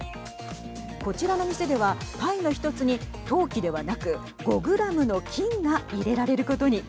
こちらの店ではパイの１つに陶器ではなく５グラムの金が入れられることに。